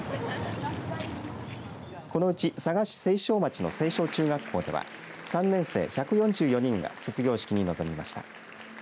このうち佐賀市成章町の成章中学校では３年生、１４４人が卒業式に臨みました。